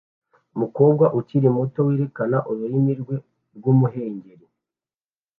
Umukobwa ukiri muto werekana ururimi rwe rw'umuhengeri